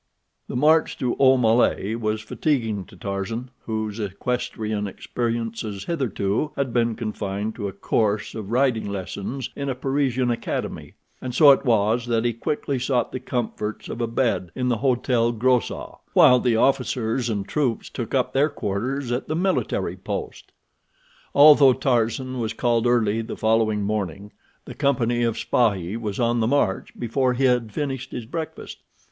The march to Aumale was fatiguing to Tarzan, whose equestrian experiences hitherto had been confined to a course of riding lessons in a Parisian academy, and so it was that he quickly sought the comforts of a bed in the Hotel Grossat, while the officers and troops took up their quarters at the military post. Although Tarzan was called early the following morning, the company of spahis was on the march before he had finished his breakfast.